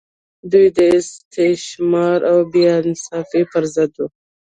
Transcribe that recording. دوی د استثمار او بې انصافۍ پر ضد وو.